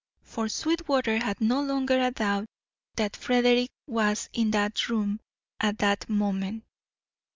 For Sweetwater had no longer a doubt that Frederick was in that room at that moment.